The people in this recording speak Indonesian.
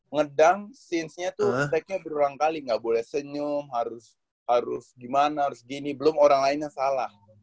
ngedang scenesnya tuh steknya berulang kali nggak boleh senyum harus gimana harus gini belum orang lainnya salah